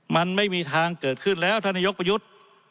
มันไม่มีทางเกิดขึ้นแล้วท่านนายกประยุทธ์